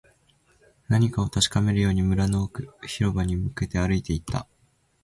何かを確かめるように、林の奥、広場に向けて歩いていった